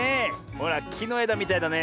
ほらきのえだみたいだねえ。